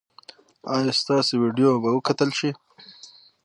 ایا ستاسو ویډیو به وکتل شي؟